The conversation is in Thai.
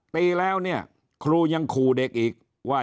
ปีแล้วเนี่ยครูยังขู่เด็กอีกว่า